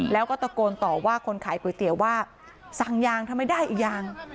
แล้วก็ตะโกนต่อว่าคนขายก๋วยเตี๋ยวว่าสั่งยางทำไมได้อีกอย่าง